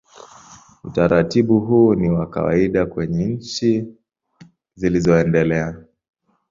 Utaratibu huu ni wa kawaida kwenye nchi zilizoendelea.